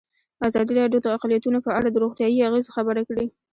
ازادي راډیو د اقلیتونه په اړه د روغتیایي اغېزو خبره کړې.